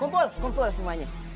kumpul kumpul semuanya